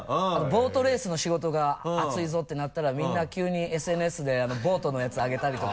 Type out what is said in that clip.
ボートレースの仕事が熱いぞってなったらみんな急にＳＮＳでボートのやつあげたりとか。